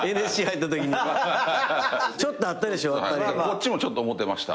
こっちもちょっと思ってました。